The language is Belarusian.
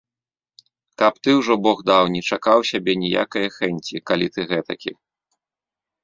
Каб ты ўжо, бог даў, не чакаў сябе ніякае хэнці, калі ты гэтакі.